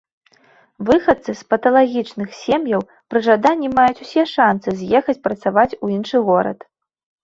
Выхадцы з паталагічных сем'яў пры жаданні маюць усе шанцы з'ехаць працаваць у іншы горад.